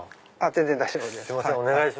全然大丈夫です。